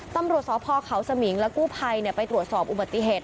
ตำรวจสพเขาสมิงและกู้ภัยไปตรวจสอบอุบัติเหตุ